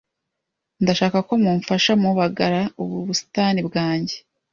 Ndashaka ko mumfasha mubagara ubu busitani bwanjye.